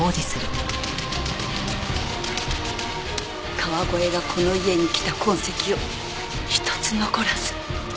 川越がこの家に来た痕跡を一つ残らず。